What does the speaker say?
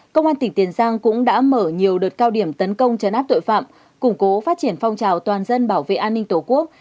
công an tỉnh tiền giang cũng đã mở nhiều đợt cao điểm tấn công chấn áp tội phạm củng cố phát triển phong trào toàn dân bảo vệ an ninh tổ quốc